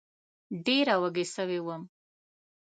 ډېره وږې سوې وم